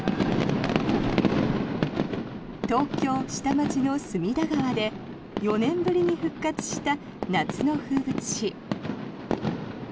東京・下町の隅田川で４年ぶりに復活した夏の風物詩。